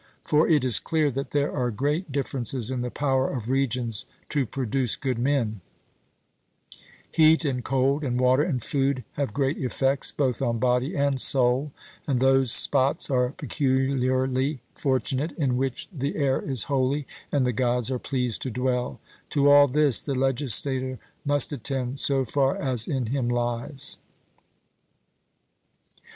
For it is clear that there are great differences in the power of regions to produce good men: heat and cold, and water and food, have great effects both on body and soul; and those spots are peculiarly fortunate in which the air is holy, and the Gods are pleased to dwell. To all this the legislator must attend, so far as in him lies.